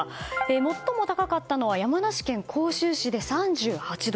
最も高かったのは山梨県甲州市で３８度。